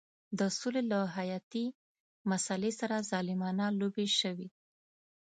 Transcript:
د سولې له حیاتي مسلې سره ظالمانه لوبې شوې.